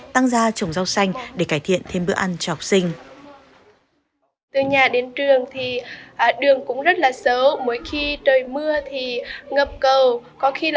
tăng ra trồng rau xanh để cải thiện thêm bữa ăn cho học sinh